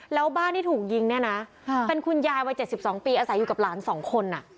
แล้วบ้านที่ถูกยิงเนี้ยนะค่ะเป็นคุณยายวัยเจ็ดสิบสองปีอาศัยอยู่กับหลานสองคนอ่ะ